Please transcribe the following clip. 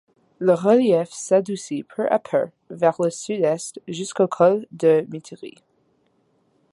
Le relief s'adoucit peu à peu vers le sud-est jusqu’au col de Muteri.